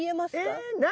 え何？